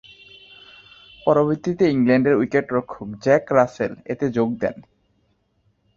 পরবর্তীতে ইংল্যান্ডের উইকেট-রক্ষক জ্যাক রাসেল এতে যোগ দেন।